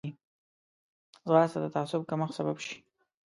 ځغاسته د تعصب کمښت سبب شي